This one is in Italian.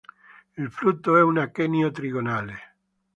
Il frutto è un achenio trigonale.